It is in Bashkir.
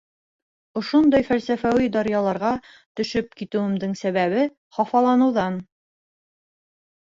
Ошондай фәлсәфәүи даръяларға төшөп китеүемдең сәбәбе — хафаланыуҙан.